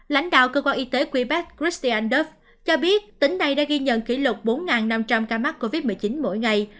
lãnh đạo cơ quan y tế quebec christiane duff cho biết tỉnh này đã ghi nhận kỷ lục bốn năm trăm linh ca mắc covid một mươi chín mỗi ngày